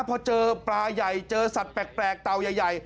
พอเจอปลาใหญ่เจอสัตว์แปลกเต่าใหญ่